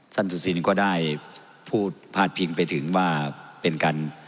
สุศินก็ได้พูดพาดพิงไปถึงว่าเป็นการ